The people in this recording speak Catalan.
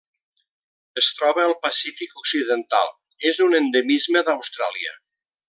Es troba al Pacífic occidental: és un endemisme d'Austràlia.